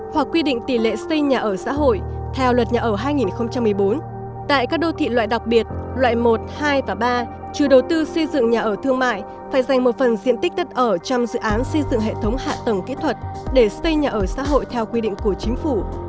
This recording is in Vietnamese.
hoặc quy định tỷ lệ xây nhà ở xã hội theo luật nhà ở hai nghìn một mươi bốn tại các đô thị loại đặc biệt loại một hai và ba chủ đầu tư xây dựng nhà ở thương mại phải dành một phần diện tích đất ở trong dự án xây dựng hệ thống hạ tầng kỹ thuật để xây nhà ở xã hội theo quy định của chính phủ